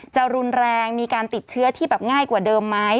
จะรุนแรงมีการติดเชื้อที่แบบง่ายกว่าเดิมไหม